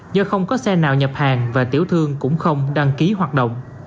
do không có xe nào nhập hàng và tiểu thương cũng không đăng ký hoạt động